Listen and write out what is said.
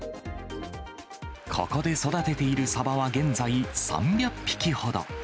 ここで育てているサバは現在、３００匹ほど。